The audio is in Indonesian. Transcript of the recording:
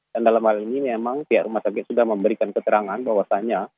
dan dalam hal ini memang pihak rumah sakit sudah memberikan keterangan bahwasannya